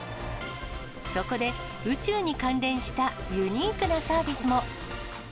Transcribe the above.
そこで、宇宙に関連したユニークなサービスも。